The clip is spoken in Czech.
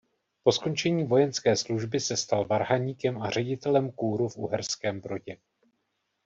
Po skončení vojenské služby se stal varhaníkem a ředitelem kůru v Uherském Brodě.